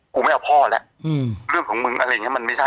ไม่เอาพ่อแล้วเรื่องของมึงอะไรอย่างเงี้มันไม่ใช่